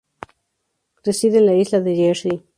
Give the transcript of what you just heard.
Reside en la isla de Jersey.